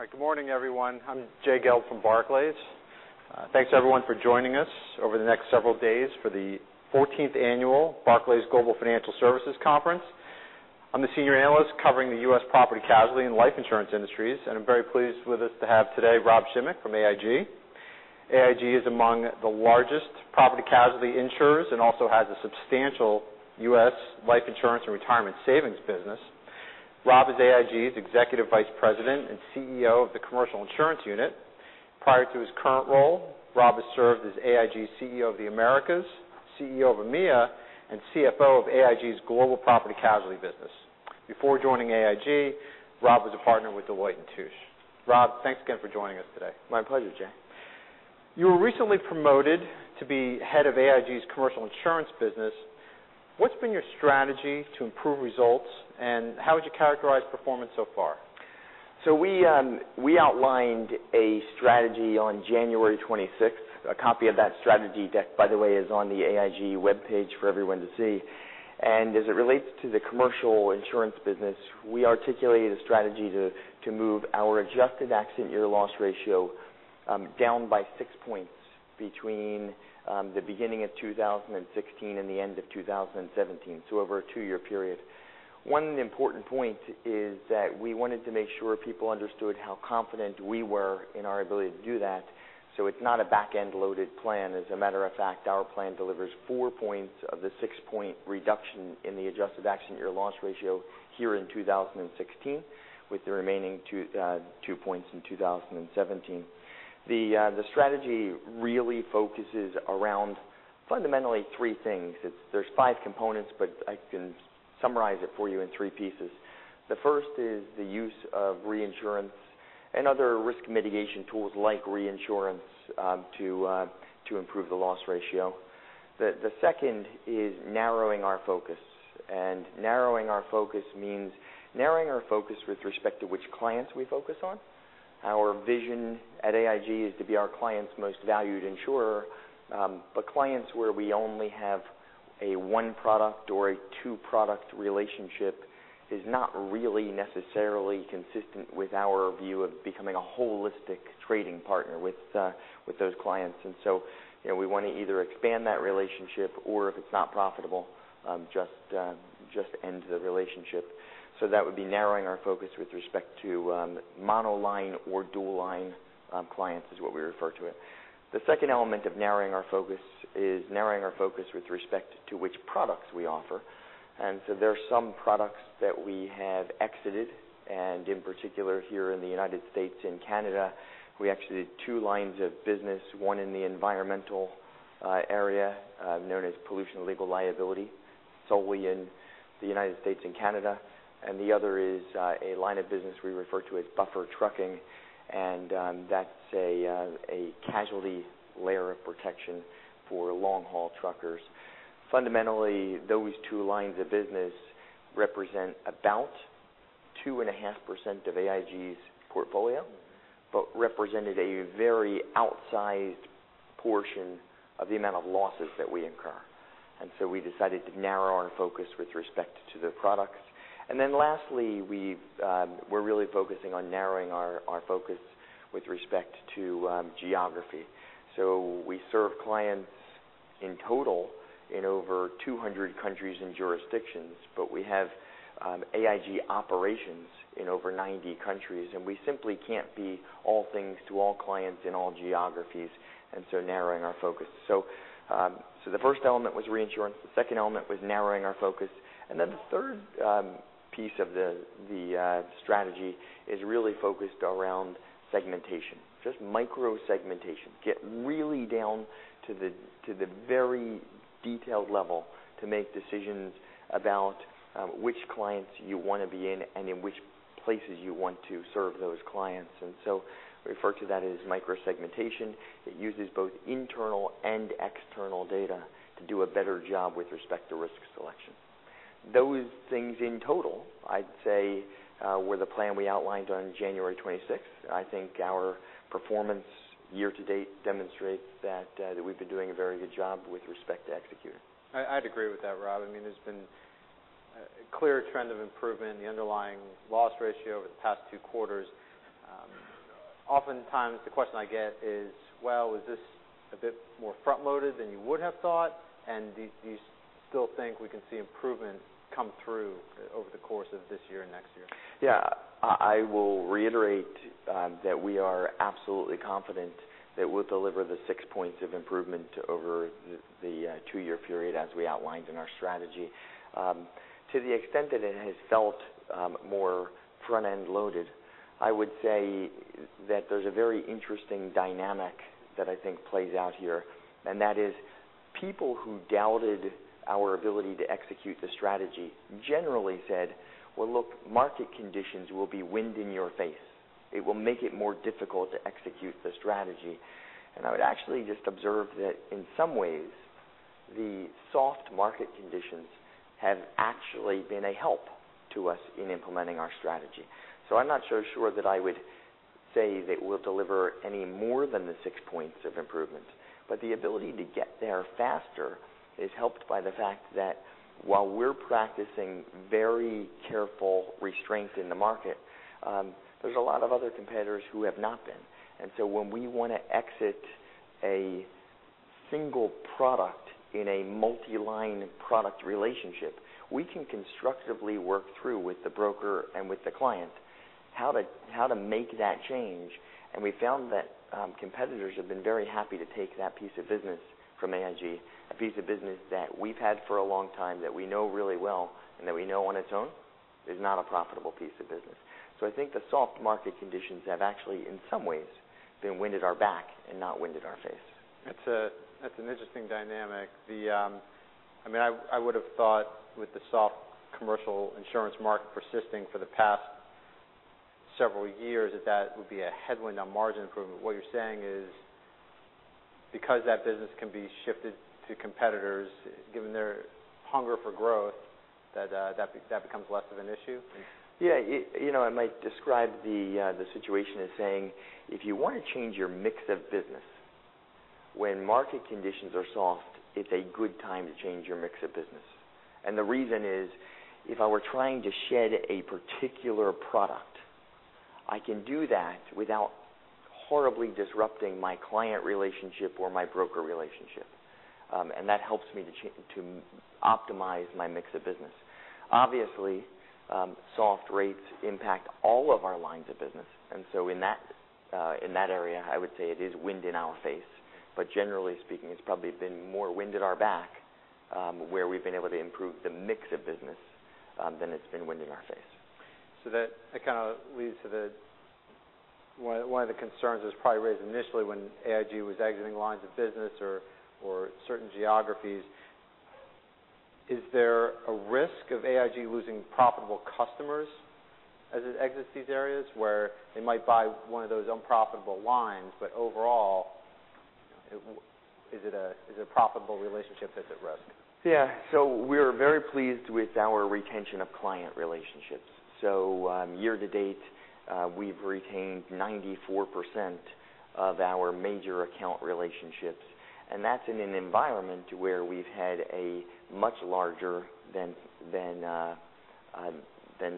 All right. Good morning, everyone. I'm Jay Gelb from Barclays. Thanks, everyone, for joining us over the next several days for the 14th Annual Barclays Global Financial Services Conference. I'm the senior analyst covering the U.S. property casualty and life insurance industries. I'm very pleased with us to have today Rob Schimek from AIG. AIG is among the largest property casualty insurers and also has a substantial U.S. life insurance and retirement savings business. Rob is AIG's Executive Vice President and CEO of the Commercial Insurance unit. Prior to his current role, Rob has served as AIG's CEO of the Americas, CEO of EMEA, and CFO of AIG's Global Property Casualty business. Before joining AIG, Rob was a partner with Deloitte & Touche. Rob, thanks again for joining us today. My pleasure, Jay. You were recently promoted to be head of AIG's Commercial Insurance business. What's been your strategy to improve results? How would you characterize performance so far? We outlined a strategy on January 26th. A copy of that strategy deck, by the way, is on the AIG webpage for everyone to see. As it relates to the Commercial Insurance business, we articulated a strategy to move our adjusted accident year loss ratio down by six points between the beginning of 2016 and the end of 2017. Over a two-year period. One important point is that we wanted to make sure people understood how confident we were in our ability to do that. It's not a back-end-loaded plan. As a matter of fact, our plan delivers four points of the six-point reduction in the adjusted accident year loss ratio here in 2016 with the remaining two points in 2017. The strategy really focuses around fundamentally three things. There's five components. I can summarize it for you in three pieces. The first is the use of reinsurance and other risk mitigation tools like reinsurance to improve the loss ratio. The second is narrowing our focus. Narrowing our focus means narrowing our focus with respect to which clients we focus on. Our vision at AIG is to be our clients' most valued insurer, but clients where we only have a one-product or a two-product relationship is not really necessarily consistent with our view of becoming a holistic trading partner with those clients. We want to either expand that relationship or if it's not profitable just end the relationship. That would be narrowing our focus with respect to monoline or dual-line clients is what we refer to it. The second element of narrowing our focus is narrowing our focus with respect to which products we offer. There are some products that we have exited, and in particular here in the U.S. and Canada, we actually did two lines of business, one in the environmental area known as Pollution Legal Liability, solely in the U.S. and Canada. The other is a line of business we refer to as Buffer Trucking, and that's a casualty layer of protection for long-haul truckers. Fundamentally, those two lines of business represent about 2.5% of AIG's portfolio, but represented a very outsized portion of the amount of losses that we incur. We decided to narrow our focus with respect to the products. Lastly, we're really focusing on narrowing our focus with respect to geography. We serve clients in total in over 200 countries and jurisdictions, but we have AIG operations in over 90 countries, and we simply can't be all things to all clients in all geographies. Narrowing our focus. The first element was reinsurance, the second element was narrowing our focus, the third piece of the strategy is really focused around segmentation. Just Micro Segmentation. Get really down to the very detailed level to make decisions about which clients you want to be in and in which places you want to serve those clients. Refer to that as Micro Segmentation that uses both internal and external data to do a better job with respect to risk selection. Those things in total, I'd say, were the plan we outlined on January 26th. I think our performance year-to-date demonstrates that we've been doing a very good job with respect to executing. I'd agree with that, Rob. There's been a clear trend of improvement in the underlying loss ratio over the past two quarters. Oftentimes the question I get is, well, is this a bit more front-loaded than you would have thought? Do you still think we can see improvement come through over the course of this year and next year? Yeah. I will reiterate that we are absolutely confident that we'll deliver the six points of improvement over the two-year period as we outlined in our strategy. To the extent that it has felt more front-end loaded, I would say that there's a very interesting dynamic that I think plays out here, and that is people who doubted our ability to execute the strategy generally said, "Well, look, market conditions will be wind in your face. It will make it more difficult to execute the strategy." I would actually just observe that in some ways, the soft market conditions have actually been a help to us in implementing our strategy. I'm not so sure that I would say that we'll deliver any more than the six points of improvement. The ability to get there faster is helped by the fact that while we're practicing very careful restraint in the market, there's a lot of other competitors who have not been. When we want to exit a single product in a multi-line product relationship, we can constructively work through with the broker and with the client how to make that change. We found that competitors have been very happy to take that piece of business from AIG, a piece of business that we've had for a long time, that we know really well, and that we know on its own is not a profitable piece of business. I think the soft market conditions have actually, in some ways, been wind at our back and not wind at our face. That's an interesting dynamic. I would've thought with the soft Commercial Insurance market persisting for the past several years, that that would be a headwind on margin improvement. What you're saying is because that business can be shifted to competitors, given their hunger for growth, that becomes less of an issue? Yeah. I might describe the situation as saying, if you want to change your mix of business when market conditions are soft, it's a good time to change your mix of business. The reason is, if I were trying to shed a particular product, I can do that without horribly disrupting my client relationship or my broker relationship. That helps me to optimize my mix of business. Obviously, soft rates impact all of our lines of business. In that area, I would say it is wind in our face. Generally speaking, it's probably been more wind at our back where we've been able to improve the mix of business than it's been wind in our face. That kind of leads to one of the concerns that was probably raised initially when AIG was exiting lines of business or certain geographies. Is there a risk of AIG losing profitable customers as it exits these areas? Where they might buy one of those unprofitable lines, but overall, is a profitable relationship at risk? Yeah. We're very pleased with our retention of client relationships. Year to date, we've retained 94% of our major account relationships, and that's in an environment where we've had a much larger than a 6%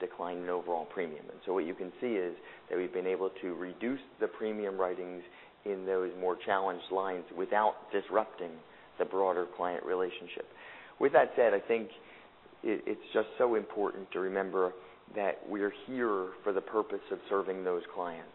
decline in overall premium. What you can see is that we've been able to reduce the premium writings in those more challenged lines without disrupting the broader client relationship. With that said, I think it's just so important to remember that we're here for the purpose of serving those clients.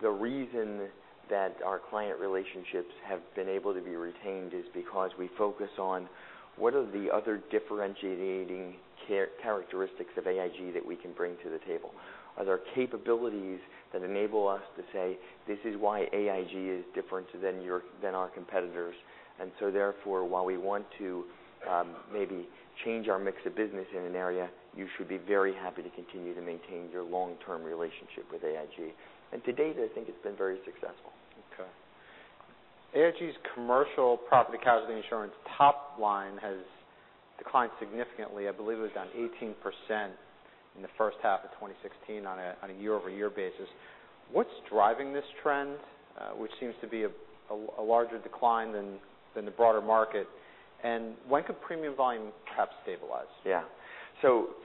The reason that our client relationships have been able to be retained is because we focus on what are the other differentiating characteristics of AIG that we can bring to the table, are there capabilities that enable us to say, "This is why AIG is different than our competitors. Therefore, while we want to maybe change our mix of business in an area, you should be very happy to continue to maintain your long-term relationship with AIG." To date, I think it's been very successful. AIG's Commercial Insurance property casualty top line has declined significantly. I believe it was down 18% in the first half of 2016 on a year-over-year basis. What's driving this trend, which seems to be a larger decline than the broader market? When could premium volume perhaps stabilize?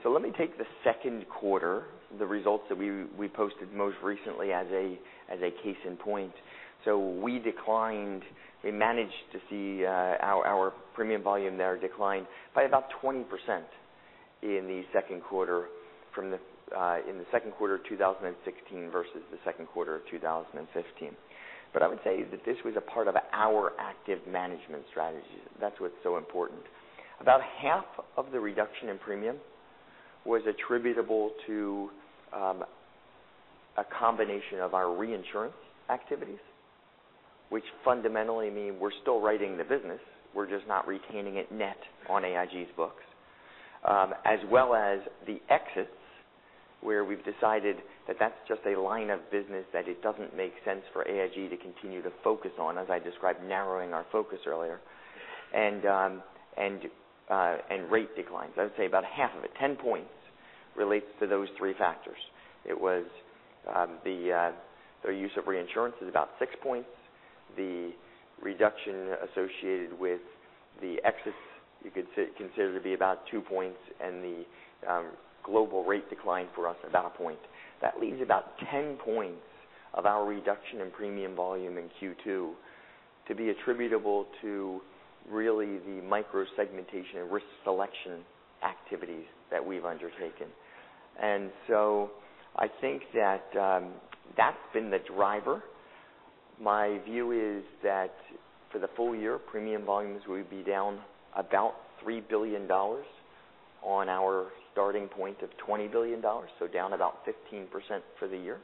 Let me take the second quarter, the results that we posted most recently as a case in point. We declined. We managed to see our premium volume there decline by about 20% in the second quarter of 2016 versus the second quarter of 2015. I would say that this was a part of our active management strategy. That's what's so important. About half of the reduction in premium was attributable to a combination of our reinsurance activities, which fundamentally mean we're still writing the business, we're just not retaining it net on AIG's books. As well as the exits where we've decided that that's just a line of business that it doesn't make sense for AIG to continue to focus on, as I described narrowing our focus earlier, and rate declines. I would say about half of it, 10 points, relates to those three factors. It was the use of reinsurance is about six points. The reduction associated with the exits you could consider to be about two points, and the global rate decline for us about a point. That leaves about 10 points of our reduction in premium volume in Q2 to be attributable to really the microsegmentation and risk selection activities that we've undertaken. I think that that's been the driver. My view is that for the full year, premium volumes will be down about $3 billion on our starting point of $20 billion, so down about 15% for the year.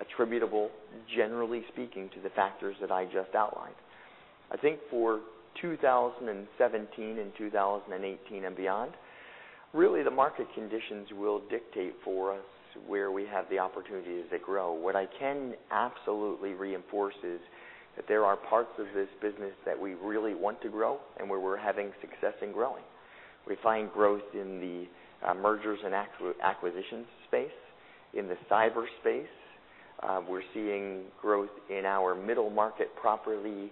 Attributable, generally speaking, to the factors that I just outlined. I think for 2017 and 2018 and beyond, really the market conditions will dictate for us where we have the opportunities to grow. What I can absolutely reinforce is that there are parts of this business that we really want to grow and where we're having success in growing. We find growth in the mergers and acquisitions space, in the cyber space. We're seeing growth in our middle market property,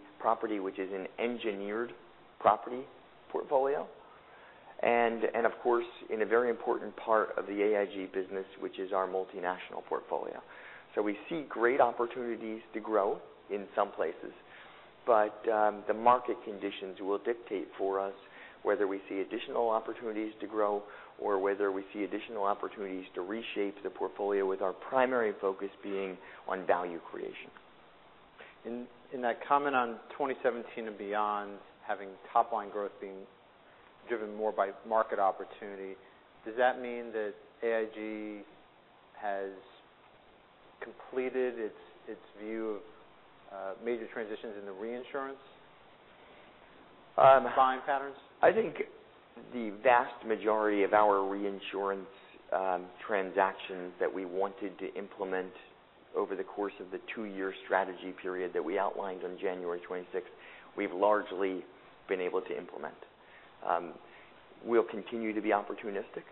which is an engineered property portfolio. Of course, in a very important part of the AIG business, which is our multinational portfolio. We see great opportunities to grow in some places, but the market conditions will dictate for us whether we see additional opportunities to grow or whether we see additional opportunities to reshape the portfolio, with our primary focus being on value creation. In that comment on 2017 and beyond, having top-line growth being driven more by market opportunity, does that mean that AIG has completed its view of major transitions in the reinsurance buying patterns? I think the vast majority of our reinsurance transactions that we wanted to implement over the course of the two-year strategy period that we outlined on January 26th, we've largely been able to implement. We'll continue to be opportunistic.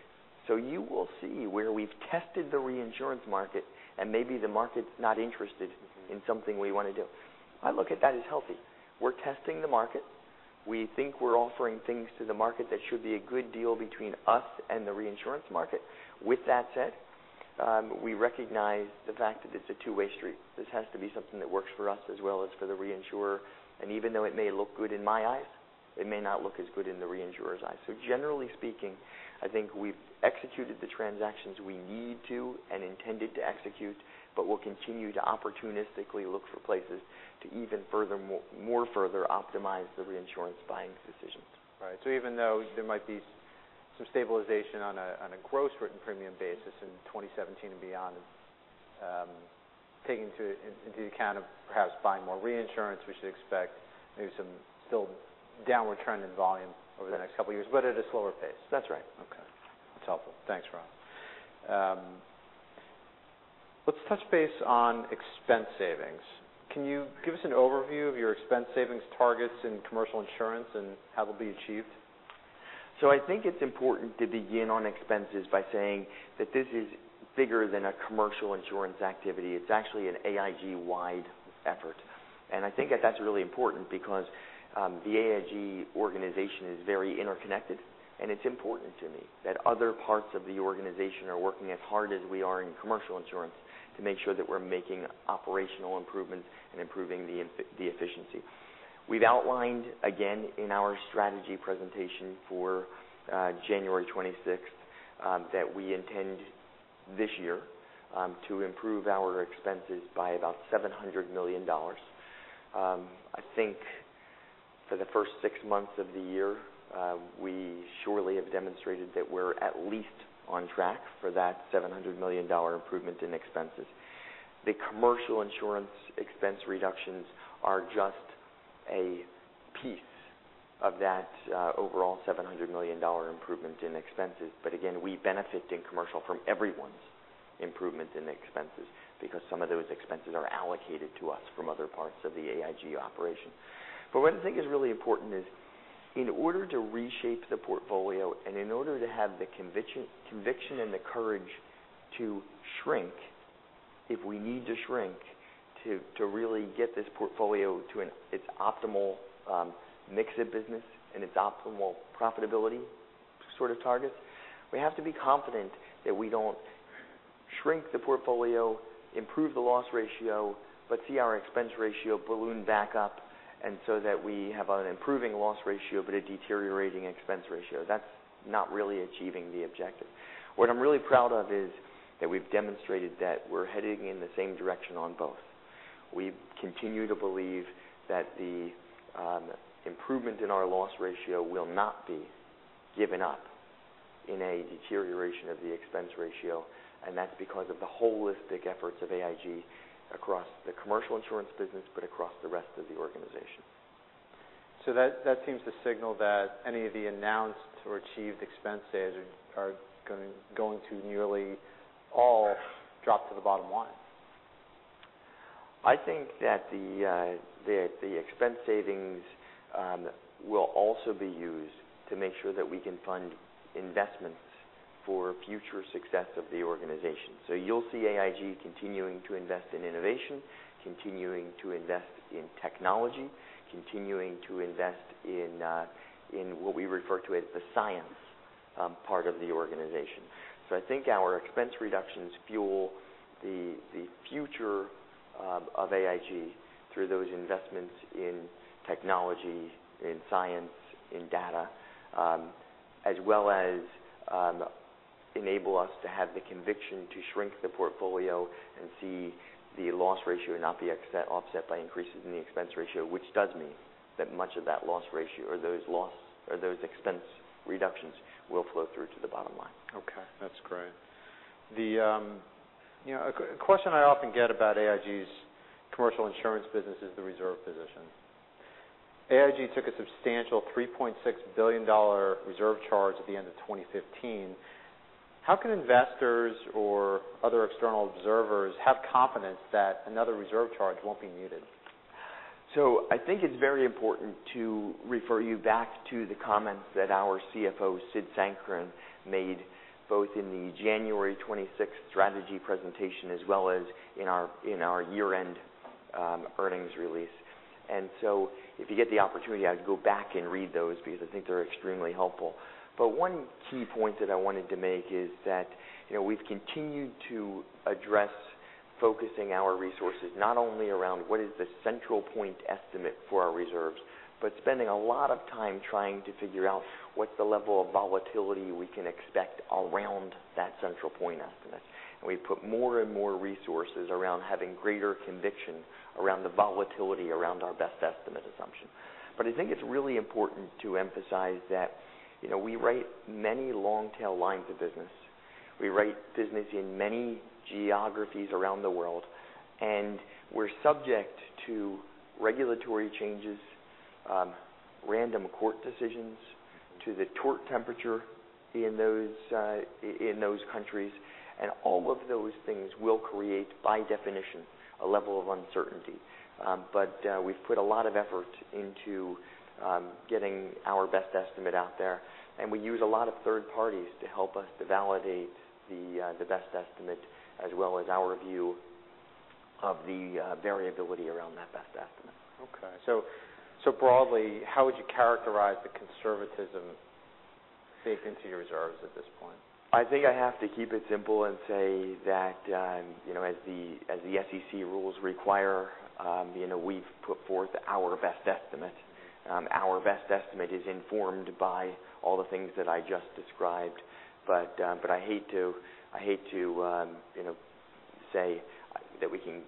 You will see where we've tested the reinsurance market, and maybe the market's not interested in something we want to do. I look at that as healthy. We're testing the market. We think we're offering things to the market that should be a good deal between us and the reinsurance market. With that said, we recognize the fact that it's a two-way street. This has to be something that works for us as well as for the reinsurer. Even though it may look good in my eyes, it may not look as good in the reinsurer's eyes. Generally speaking, I think we've executed the transactions we need to and intended to execute, we'll continue to opportunistically look for places to even more further optimize the reinsurance buying decisions. Right. Even though there might be some stabilization on a gross written premium basis in 2017 and beyond, taking into account perhaps buying more reinsurance, we should expect maybe some still downward trend in volume over the next couple of years, at a slower pace. That's right. That's helpful. Thanks, Rob. Let's touch base on expense savings. Can you give us an overview of your expense savings targets in Commercial Insurance, and how they'll be achieved? I think it's important to begin on expenses by saying that this is bigger than a Commercial Insurance activity. It's actually an AIG-wide effort. I think that that's really important because the AIG organization is very interconnected, and it's important to me that other parts of the organization are working as hard as we are in Commercial Insurance to make sure that we're making operational improvements and improving the efficiency. We've outlined, again in our strategy presentation for January 26th, that we intend this year to improve our expenses by about $700 million. I think for the first six months of the year, we surely have demonstrated that we're at least on track for that $700 million improvement in expenses. The Commercial Insurance expense reductions are just a piece of that overall $700 million improvement in expenses. Again, we benefit in Commercial from everyone's improvements in expenses because some of those expenses are allocated to us from other parts of the AIG operation. What I think is really important is in order to reshape the portfolio and in order to have the conviction and the courage to shrink, if we need to shrink to really get this portfolio to its optimal mix of business and its optimal profitability sort of targets, we have to be confident that we don't shrink the portfolio, improve the loss ratio, but see our expense ratio balloon back up, so that we have an improving loss ratio, but a deteriorating expense ratio. That's not really achieving the objective. What I'm really proud of is that we've demonstrated that we're heading in the same direction on both. We continue to believe that the improvement in our loss ratio will not be given up in a deterioration of the expense ratio. That's because of the holistic efforts of AIG across the Commercial Insurance business, across the rest of the organization. That seems to signal that any of the announced or achieved expense savings are going to nearly all drop to the bottom line. I think that the expense savings will also be used to make sure that we can fund investments for future success of the organization. You'll see AIG continuing to invest in innovation, continuing to invest in technology, continuing to invest in what we refer to as the science part of the organization. I think our expense reductions fuel the future of AIG through those investments in technology, in science, in data, as well as enable us to have the conviction to shrink the portfolio and see the loss ratio not be offset by increases in the expense ratio, which does mean that much of that loss ratio or those expense reductions will flow through to the bottom line. Okay, that's great. A question I often get about AIG's Commercial Insurance business is the reserve business. AIG took a substantial $3.6 billion reserve charge at the end of 2015. How can investors or other external observers have confidence that another reserve charge won't be needed? I think it's very important to refer you back to the comments that our CFO, Sid Sankaran, made both in the January 26th strategy presentation as well as in our year-end earnings release. If you get the opportunity, I'd go back and read those because I think they're extremely helpful. One key point that I wanted to make is that we've continued to address focusing our resources not only around what is the central point estimate for our reserves, but spending a lot of time trying to figure out what the level of volatility we can expect around that central point estimate. We've put more and more resources around having greater conviction around the volatility around our best estimate assumption. I think it's really important to emphasize that we write many long-tail lines of business. We write business in many geographies around the world, and we're subject to regulatory changes, random court decisions, to the tort temperature in those countries. All of those things will create, by definition, a level of uncertainty. We've put a lot of effort into getting our best estimate out there, and we use a lot of third parties to help us to validate the best estimate as well as our view of the variability around that best estimate. Okay. Broadly, how would you characterize the conservatism baked into your reserves at this point? I think I have to keep it simple and say that as the SEC rules require, we've put forth our best estimate. Our best estimate is informed by all the things that I just described. I hate to say that we can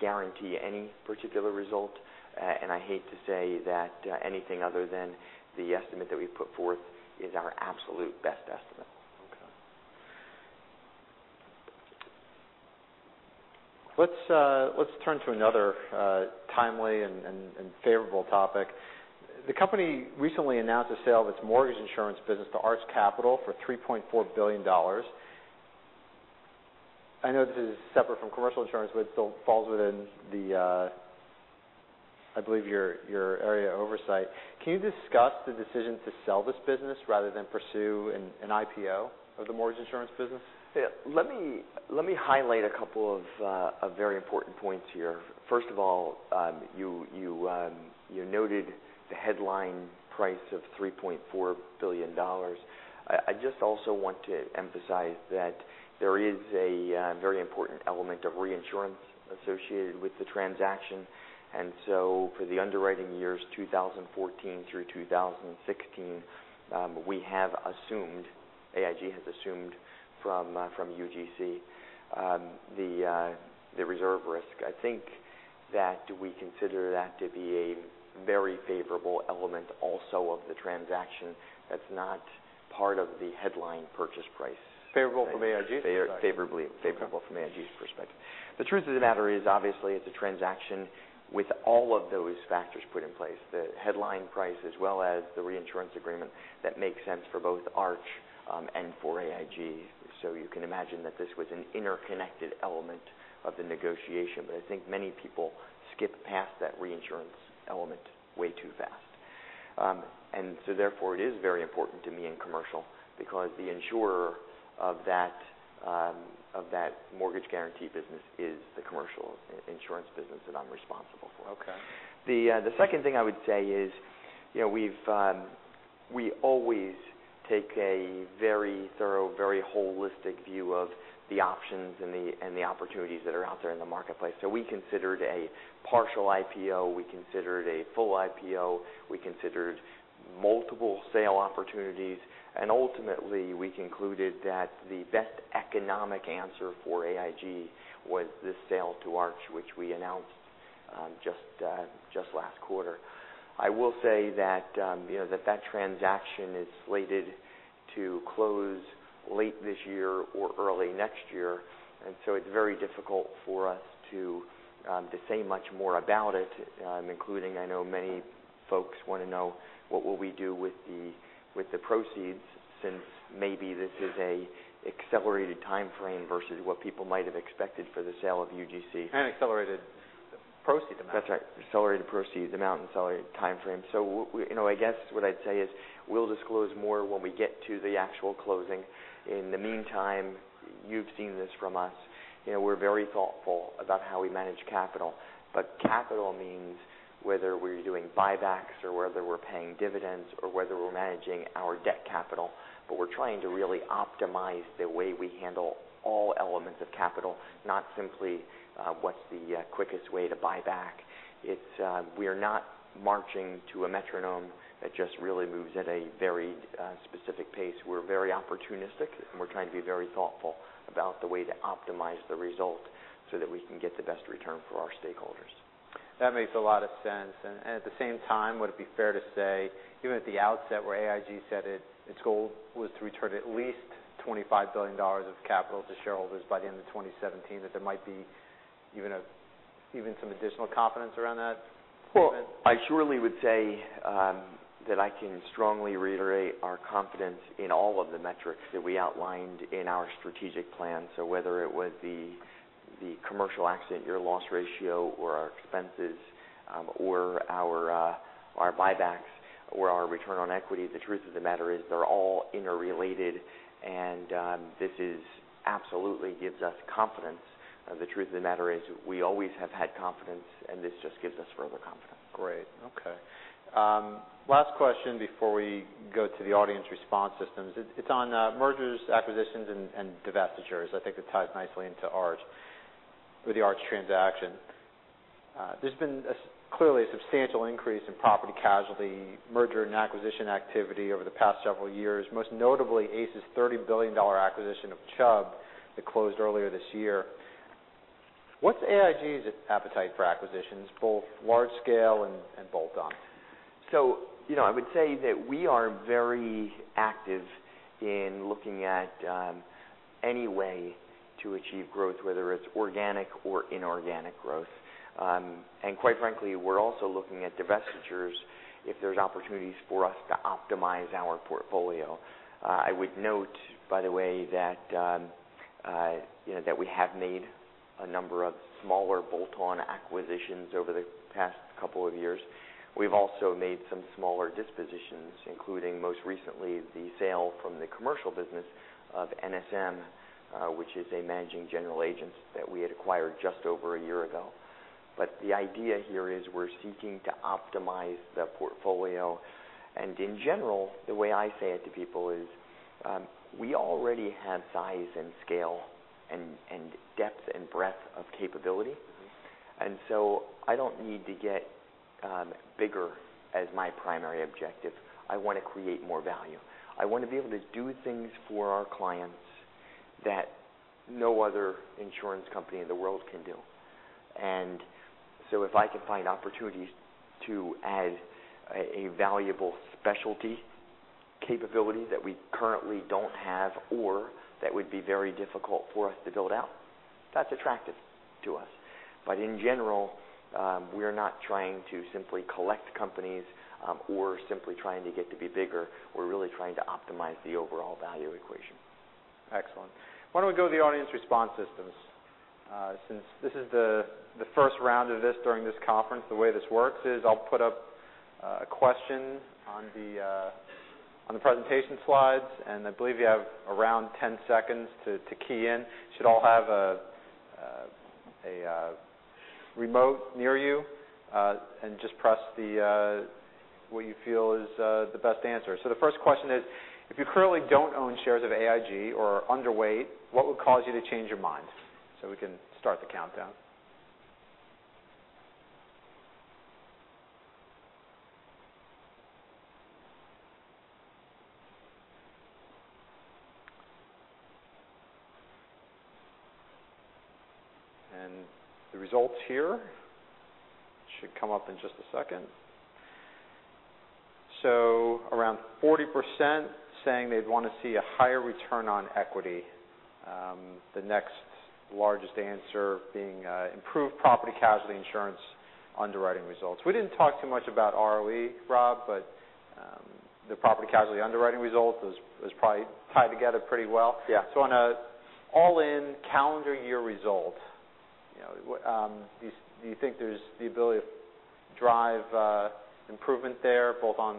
guarantee any particular result, and I hate to say that anything other than the estimate that we've put forth is our absolute best estimate. Okay. Let's turn to another timely and favorable topic. The company recently announced the sale of its mortgage insurance business to Arch Capital for $3.4 billion. I know this is separate from Commercial Insurance, but it still falls within the, I believe, your area of oversight. Can you discuss the decision to sell this business rather than pursue an IPO of the mortgage insurance business? Let me highlight a couple of very important points here. First of all, you noted the headline price of $3.4 billion. I just also want to emphasize that there is a very important element of reinsurance associated with the transaction. For the underwriting years 2014 through 2016, AIG has assumed from UGC the reserve risk. I think that we consider that to be a very favorable element also of the transaction that's not part of the headline purchase price. Favorable from AIG's side? Favorable from AIG's perspective. The truth of the matter is, obviously, it's a transaction with all of those factors put in place, the headline price as well as the reinsurance agreement that makes sense for both Arch and for AIG. You can imagine that this was an interconnected element of the negotiation. I think many people skip past that reinsurance element way too fast. Therefore, it is very important to me in Commercial because the insurer of that mortgage guarantee business is the Commercial Insurance business that I'm responsible for. Okay. The second thing I would say is we always take a very thorough, very holistic view of the options and the opportunities that are out there in the marketplace. We considered a partial IPO, we considered a full IPO, we considered multiple sale opportunities, and ultimately, we concluded that the best economic answer for AIG was this sale to Arch, which we announced just last quarter. I will say that that transaction is slated to close late this year or early next year, so it's very difficult for us to say much more about it, including I know many folks want to know what will we do with the proceeds, since maybe this is an accelerated timeframe versus what people might have expected for the sale of UGC. Accelerated proceed amount. That's right. Accelerated proceed amount and accelerated timeframe. I guess what I'd say is we'll disclose more when we get to the actual closing. In the meantime, you've seen this from us. We're very thoughtful about how we manage capital. Capital means whether we're doing buybacks, or whether we're paying dividends, or whether we're managing our debt capital. We're trying to really optimize the way we handle all elements of capital, not simply what's the quickest way to buy back. We are not marching to a metronome that just really moves at a very specific pace. We're very opportunistic, and we're trying to be very thoughtful about the way to optimize the result so that we can get the best return for our stakeholders. That makes a lot of sense. At the same time, would it be fair to say, even at the outset where AIG said its goal was to return at least $25 billion of capital to shareholders by the end of 2017, that there might be even some additional confidence around that? I surely would say that I can strongly reiterate our confidence in all of the metrics that we outlined in our strategic plan. Whether it was the Commercial adjusted accident year loss ratio, or our expenses, or our buybacks, or our return on equity, the truth of the matter is they're all interrelated, and this absolutely gives us confidence. The truth of the matter is we always have had confidence, and this just gives us further confidence. Great. Okay. Last question before we go to the audience response systems. It's on mergers, acquisitions, and divestitures. I think it ties nicely into Arch, with the Arch transaction. There's been clearly a substantial increase in property casualty, merger, and acquisition activity over the past several years, most notably ACE's $30 billion acquisition of Chubb that closed earlier this year. What's AIG's appetite for acquisitions, both large scale and bolt-on? I would say that we are very active in looking at any way to achieve growth, whether it's organic or inorganic growth. Quite frankly, we're also looking at divestitures if there's opportunities for us to optimize our portfolio. I would note, by the way, that we have made a number of smaller bolt-on acquisitions over the past couple of years. We've also made some smaller dispositions, including most recently the sale from the Commercial business of NSM, which is a managing general agent that we had acquired just over a year ago. The idea here is we're seeking to optimize the portfolio. In general, the way I say it to people is we already have size and scale and depth and breadth of capability. I don't need to get bigger as my primary objective. I want to create more value. I want to be able to do things for our clients that no other insurance company in the world can do. If I can find opportunities to add a valuable specialty capability that we currently don't have, or that would be very difficult for us to build out, that's attractive to us. In general, we're not trying to simply collect companies or simply trying to get to be bigger. We're really trying to optimize the overall value equation. Excellent. Why don't we go to the audience response systems since this is the first round of this during this conference? The way this works is I'll put up a question on the presentation slides, and I believe you have around 10 seconds to key in. You should all have a remote near you, and just press what you feel is the best answer. The first question is, if you currently don't own shares of AIG or are underweight, what would cause you to change your mind? We can start the countdown. The results here should come up in just a second. Around 40% saying they'd want to see a higher return on equity. The next largest answer being improved property casualty insurance underwriting results. We didn't talk too much about ROE, Rob, but the property casualty underwriting results was probably tied together pretty well. Yeah. On an all-in calendar year result, do you think there's the ability to drive improvement there, both on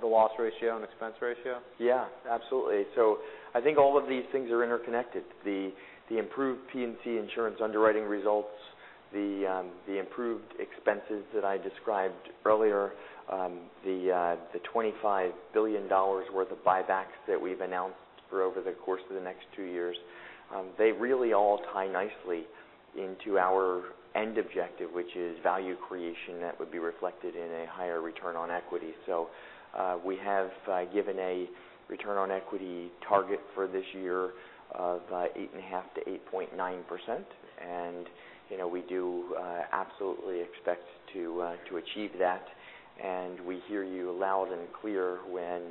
the loss ratio and expense ratio? Yeah, absolutely. I think all of these things are interconnected. The improved P&C insurance underwriting results, the improved expenses that I described earlier, the $25 billion worth of buybacks that we've announced for over the course of the next two years, they really all tie nicely into our end objective, which is value creation that would be reflected in a higher return on equity. We have given a return on equity target for this year of 8.5%-8.9%, and we do absolutely expect to achieve that. We hear you loud and clear when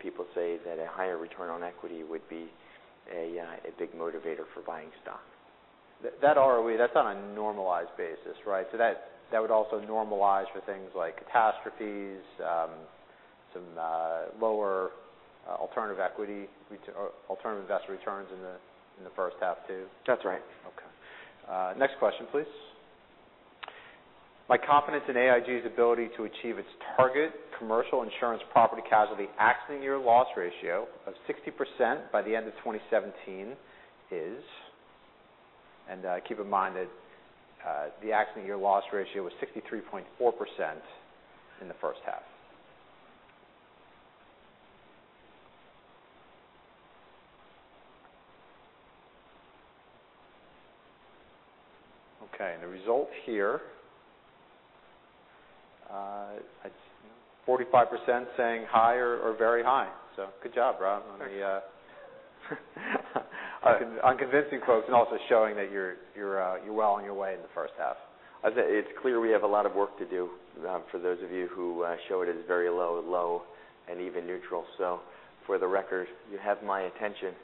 people say that a higher return on equity would be a big motivator for buying stock. That ROE, that's on a normalized basis, right? That would also normalize for things like catastrophes, some lower alternative equity, alternative investor returns in the first half, too? That's right. Next question, please. My confidence in AIG's ability to achieve its target Commercial Insurance property casualty accident year loss ratio of 60% by the end of 2017 is? Keep in mind that the accident year loss ratio was 63.4% in the first half. The result here. 45% saying high or very high. Good job, Rob on the- Thank you On convincing folks and also showing that you're well on your way in the first half. It's clear we have a lot of work to do for those of you who show it as very low, low, and even neutral. For the record, you have my attention,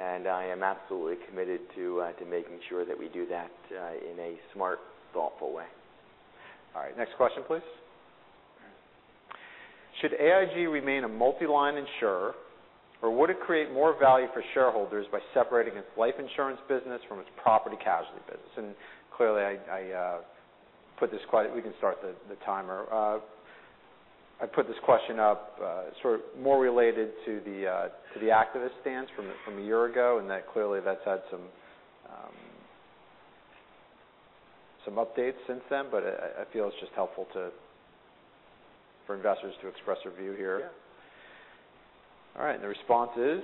and I am absolutely committed to making sure that we do that in a smart, thoughtful way. All right. Next question, please. Should AIG remain a multiline insurer, or would it create more value for shareholders by separating its life insurance business from its property casualty business? We can start the timer. I put this question up sort of more related to the activist stance from a year ago, and that clearly that's had some updates since then. I feel it's just helpful for investors to express their view here. Yeah. All right. The response is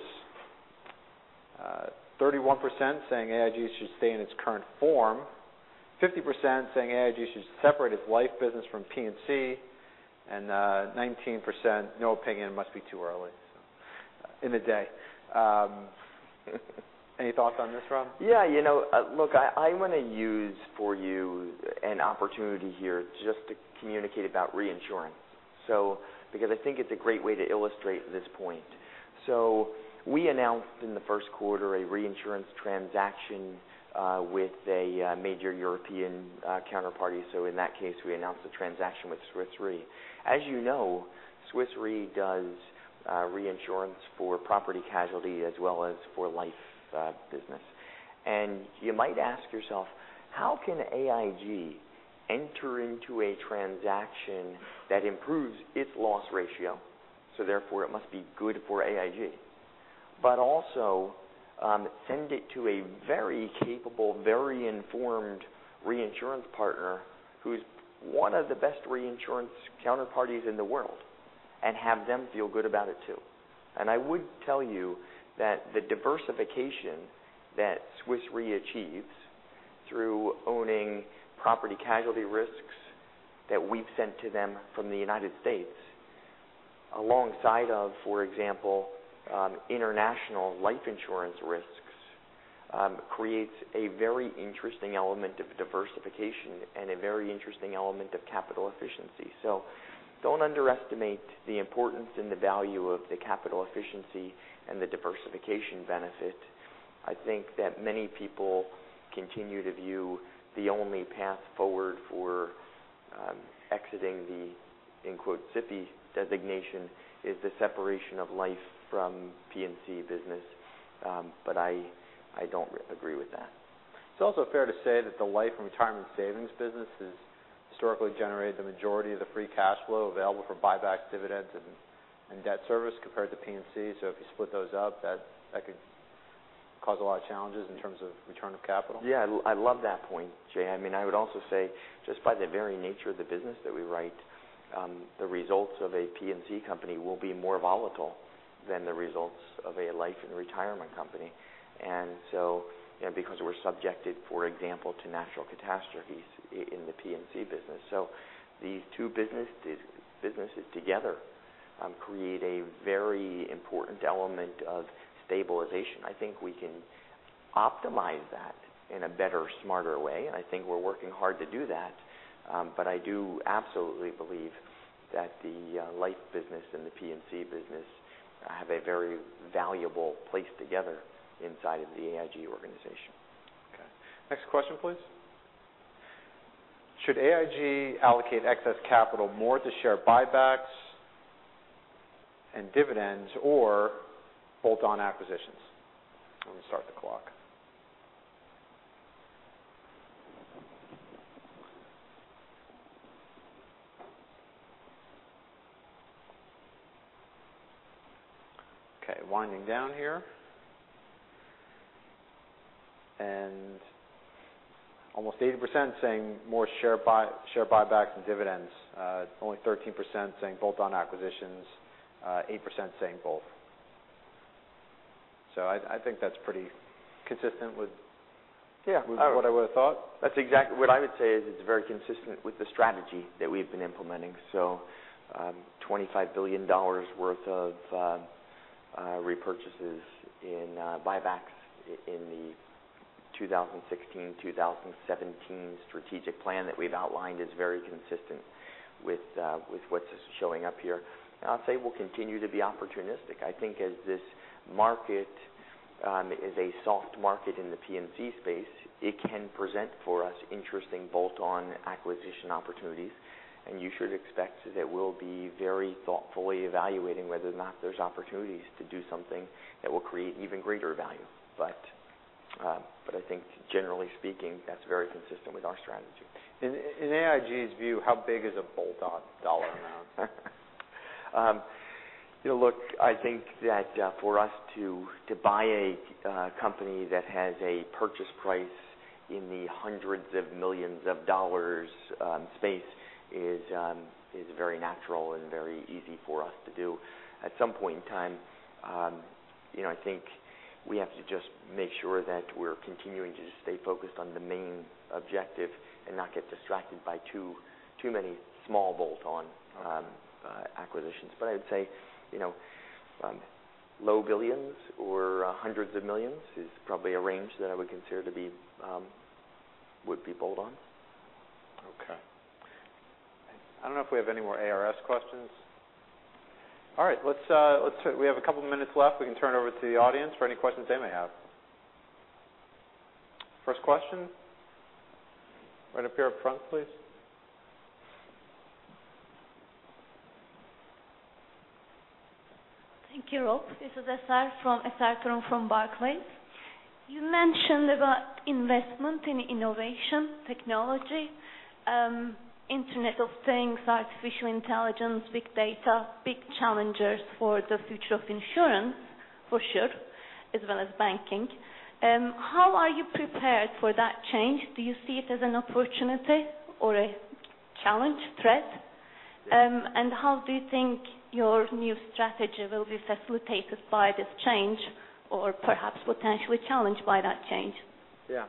31% saying AIG should stay in its current form, 50% saying AIG should separate its life business from P&C, and 19% no opinion. It must be too early in the day. Any thoughts on this, Rob? Yeah. Look, I want to use for you an opportunity here just to communicate about reinsurance because I think it's a great way to illustrate this point. We announced in the first quarter a reinsurance transaction with a major European counterparty. In that case, we announced the transaction with Swiss Re. As you know, Swiss Re does reinsurance for property casualty as well as for life business. You might ask yourself, how can AIG enter into a transaction that improves its loss ratio, therefore it must be good for AIG, also send it to a very capable, very informed reinsurance partner who is one of the best reinsurance counterparties in the world and have them feel good about it too? I would tell you that the diversification that Swiss Re achieves through owning property casualty risks that we've sent to them from the U.S. alongside of, for example, international life insurance risks creates a very interesting element of diversification and a very interesting element of capital efficiency. Don't underestimate the importance and the value of the capital efficiency and the diversification benefit. I think that many people continue to view the only path forward for exiting the "SIFI" designation is the separation of life from P&C business. I don't agree with that. It's also fair to say that the life and retirement savings business has historically generated the majority of the free cash flow available for buybacks, dividends, and debt service compared to P&C. If you split those up, that could cause a lot of challenges in terms of return of capital. I love that point, Jay. I would also say just by the very nature of the business that we write the results of a P&C company will be more volatile than the results of a life and retirement company because we're subjected, for example, to natural catastrophes in the P&C business. These two businesses together create a very important element of stabilization. I think we can optimize that in a better, smarter way, and I think we're working hard to do that. I do absolutely believe that the life business and the P&C business have a very valuable place together inside of the AIG organization. Okay. Next question, please. Should AIG allocate excess capital more to share buybacks and dividends or bolt-on acquisitions? I'm going to start the clock. Okay, winding down here. Almost 80% saying more share buybacks and dividends. Only 13% saying bolt-on acquisitions, 8% saying both. Yeah what I would've thought. What I would say is it's very consistent with the strategy that we've been implementing. $25 billion worth of repurchases in buybacks in the 2016, 2017 strategic plan that we've outlined is very consistent with what's showing up here. I'll say we'll continue to be opportunistic. I think as this market is a soft market in the P&C space, it can present for us interesting bolt-on acquisition opportunities, and you should expect that we'll be very thoughtfully evaluating whether or not there's opportunities to do something that will create even greater value. I think generally speaking, that's very consistent with our strategy. In AIG's view, how big is a bolt-on dollar amount? Look, I think that for us to buy a company that has a purchase price in the hundreds of millions of dollars space is very natural and very easy for us to do. At some point in time, I think we have to just make sure that we're continuing to just stay focused on the main objective and not get distracted by too many small bolt-on acquisitions. I would say low billions or hundreds of millions is probably a range that I would consider would be bolt-on. Okay. I don't know if we have any more ARS questions. All right. We have a couple minutes left. We can turn over to the audience for any questions they may have. First question. Right up here up front, please. Thank you, Rob. This is Esra Kurum from Barclays. You mentioned about investment in innovation technology, Internet of Things, artificial intelligence, big data, big challengers for the future of insurance, for sure, as well as banking. How are you prepared for that change? Do you see it as an opportunity or a challenge, threat? How do you think your new strategy will be facilitated by this change, or perhaps potentially challenged by that change? Yeah.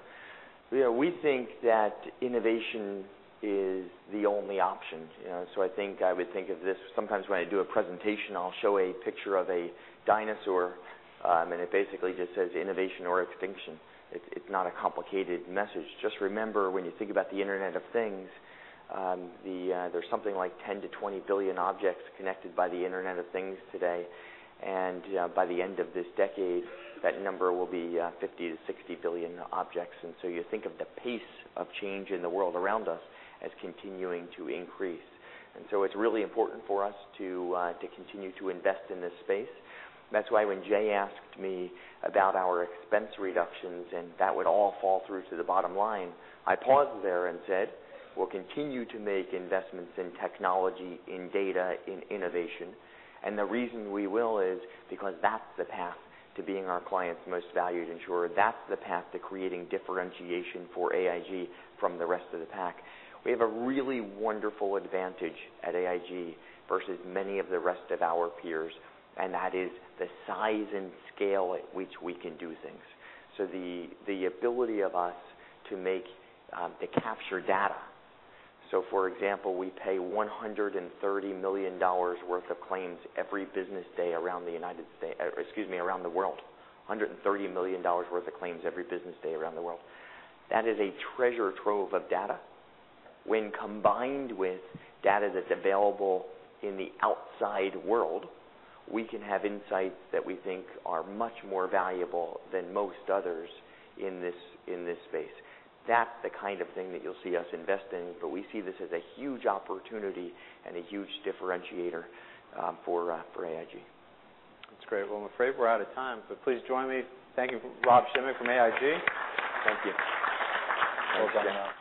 We think that innovation is the only option. I think I would think of this sometimes when I do a presentation, I'll show a picture of a dinosaur, and it basically just says innovation or extinction. It's not a complicated message. Just remember, when you think about the Internet of Things, there's something like 10-20 billion objects connected by the Internet of Things today. By the end of this decade, that number will be 50-60 billion objects. You think of the pace of change in the world around us as continuing to increase. It's really important for us to continue to invest in this space. That's why when Jay asked me about our expense reductions and that would all fall through to the bottom line, I paused there and said, "We'll continue to make investments in technology, in data, in innovation." The reason we will is because that's the path to being our clients' most valued insurer. That's the path to creating differentiation for AIG from the rest of the pack. We have a really wonderful advantage at AIG versus many of the rest of our peers, and that is the size and scale at which we can do things. The ability of us to capture data. For example, we pay $130 million worth of claims every business day around the world. $130 million worth of claims every business day around the world. That is a treasure trove of data. When combined with data that's available in the outside world, we can have insights that we think are much more valuable than most others in this space. That's the kind of thing that you'll see us invest in. We see this as a huge opportunity and a huge differentiator for AIG. That's great. Well, I'm afraid we're out of time, please join me. Thank you, Rob Schimek from AIG. Thank you. Well done. Thank you.